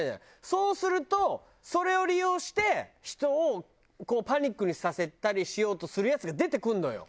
そうするとそれを利用して人をパニックにさせたりしようとするヤツが出てくるのよ。